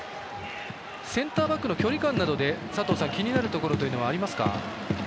センターバックの距離感などで気になるところはありますか？